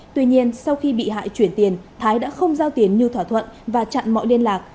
tuy nhiên sau khi bị hại chuyển tiền thái đã không giao tiền như thỏa thuận và chặn mọi liên lạc